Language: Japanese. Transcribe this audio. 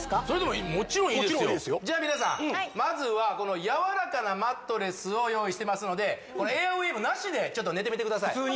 それでももちろんいいですよじゃあ皆さんまずはこの柔らかなマットレスを用意してますのでエアウィーヴなしで寝てみてください